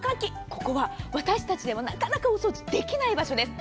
ここは私たちでは、なかなかお掃除できない場所です。